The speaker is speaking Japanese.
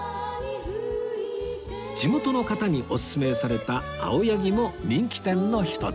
地元の方におすすめされた青柳も人気店の一つ